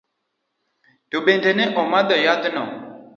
To bende ne omadho yadhno?